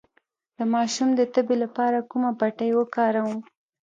د ماشوم د تبې لپاره کومه پټۍ وکاروم؟